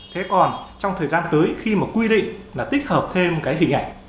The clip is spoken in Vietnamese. thế còn trong thời gian tới khi mà quy định là tích hợp thêm cái hình ảnh